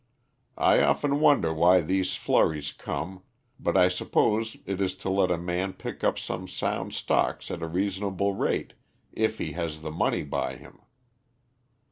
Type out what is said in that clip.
I often wonder why these flurries come, but I suppose it is to let a man pick up some sound stocks at a reasonable rate, if he has the money by him.